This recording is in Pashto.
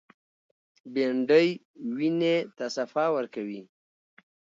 بېنډۍ وینې ته صفا ورکوي